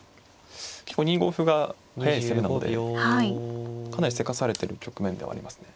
結構２五歩が速い攻めなのでかなりせかされてる局面ではありますね。